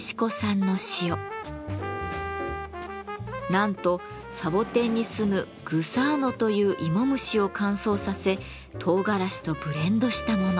なんとサボテンにすむグサーノという芋虫を乾燥させトウガラシとブレンドしたもの。